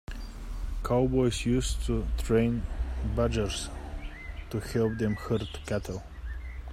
Cowboys used to train badgers to help them herd cattle.